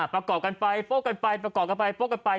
ประกอบกันไปโป้กันไปประกอบกันไปโป้กันไป